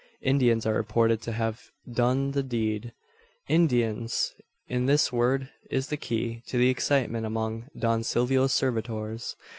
Indians are reported to have done the deed. Indians! In this word is the key to the excitement among Don Silvio's servitors.